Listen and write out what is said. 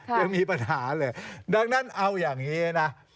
ยังมีปัญหาเลย